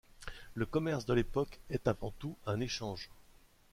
Le commerce de l'époque est avant tout un échange.